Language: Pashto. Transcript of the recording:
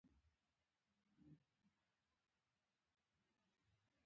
ـ مرګ د اوبو وار دی نن په ما ، سبا په تا.